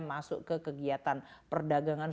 masuk ke kegiatan perdagangan